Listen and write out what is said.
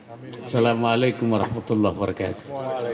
assalamu'alaikum warahmatullahi wabarakatuh